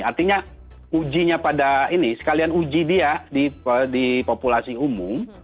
artinya ujinya pada ini sekalian uji dia di populasi umum